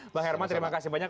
bang herman terima kasih banyak